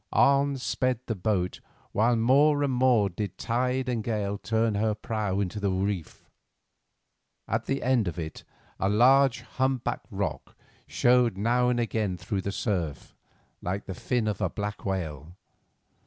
On sped the boat while more and more did tide and gale turn her prow into the reef. At the end of it a large, humpbacked rock showed now and again through the surf, like the fin of a black whale.